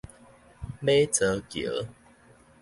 馬槽橋